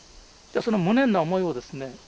その無念な思いをですね